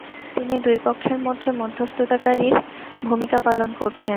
তিনি দুই পক্ষের মধ্যে মধ্যস্থতাকারীর ভূমিকা পালন করেছেন।